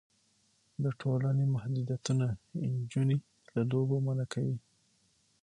د ټولنې محدودیتونه نجونې له لوبو منع کوي.